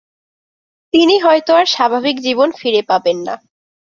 তিনি হয়তো আর স্বাভাবিক জীবন ফিরে পাবেন না।